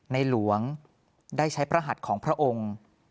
ในหลวงได้ใช้พระหัสของพระองค์